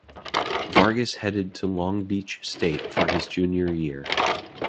Vargas headed to Long Beach State for his junior year.